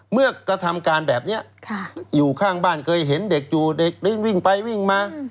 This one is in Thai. เมื่อกระทำการแบบนี้อยู่ข้างบ้านเคยเห็นเด็กอยู่เด็กวิ่งไปวิ่งมา